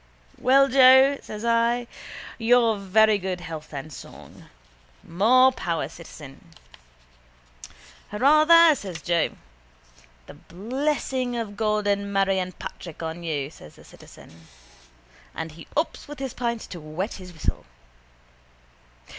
—Well, Joe, says I, your very good health and song. More power, citizen. —Hurrah, there, says Joe. —The blessing of God and Mary and Patrick on you, says the citizen. And he ups with his pint to wet his whistle.